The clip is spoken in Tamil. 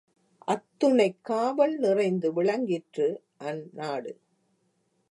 அத்துணைக் காவல் நிறைந்து விளங்கிற்று அந்நாடு.